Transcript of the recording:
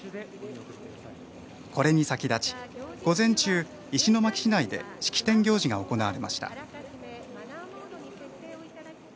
これに先立ち午前中、石巻市内で式典行事が行われました。